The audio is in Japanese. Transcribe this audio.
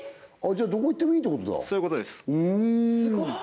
じゃどこ行ってもいいってことだそういうことです